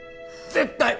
絶対！